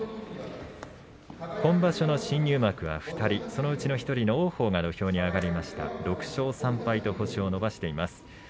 今場所の新入幕は２人そのうちの１人、王鵬が土俵に上がりました、６勝３敗と星を伸ばしています。